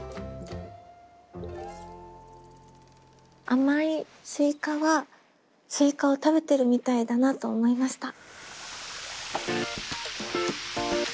「甘いスイカ」はスイカを食べてるみたいだなと思いました。